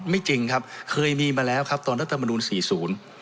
ไม่จริงครับเคยมีมาแล้วครับตอนรัฐธรรมนุน๔๐